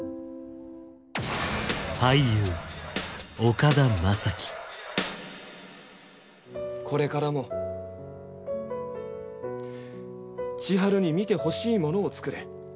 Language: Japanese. これまでこれからも千遥に見てほしいものを作れ